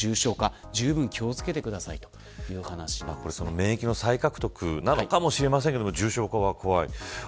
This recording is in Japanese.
免疫の再獲得なのかもしれませんが重症化は怖い。